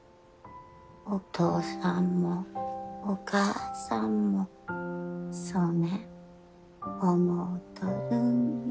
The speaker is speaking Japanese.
お父さんもお母さんもそねん思うとるんよ。